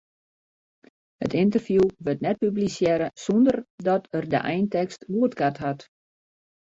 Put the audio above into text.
It ynterview wurdt net publisearre sonder dat er de eintekst goedkard hat.